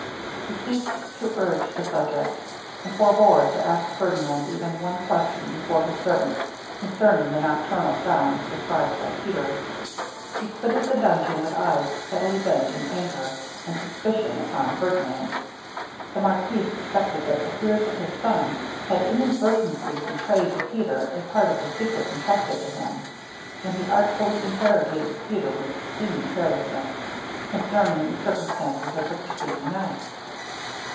He ceased to urge the subject, and forbore to ask Ferdinand even one question before his servants, concerning the nocturnal sounds described by Peter. He quitted the dungeon with eyes steadily bent in anger and suspicion upon Ferdinand. The marquis suspected that the fears of his son had inadvertently betrayed to Peter a part of the secret entrusted to him, and he artfully interrogated Peter with seeming carelessness, concerning the circumstances of the preceding night.